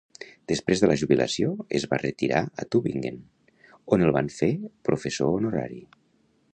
Després de la jubilació, es va retirar a Tübingen, on el van fer professor honorari.